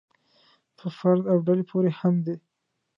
په فرد او ډلې پورې هم دی.